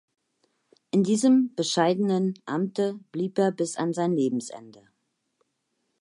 In diesem „bescheidenen Amte“ blieb er bis an sein Lebensende.